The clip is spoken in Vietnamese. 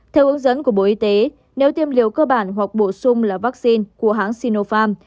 theo hướng dẫn của bộ y tế nếu tiêm liều cơ bản hoặc bổ sung là vaccine của hãng sinopharm